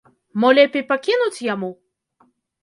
Мо лепей пакінуць яму?